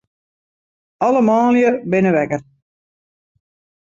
Alle manlju binne wekker.